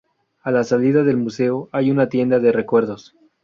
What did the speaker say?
A la salida del museo hay una tienda de recuerdos.